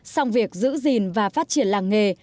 sau việc giữ gìn và phát triển làng nghề